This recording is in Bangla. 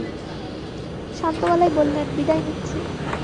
শান্ত গলায় বললেন, বিদায় নিচ্ছি।